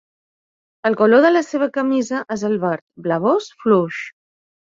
El color de la seva camisa és el verd blavós fluix.